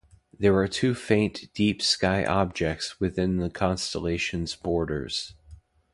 There are two faint deep sky objects within the constellation's borders.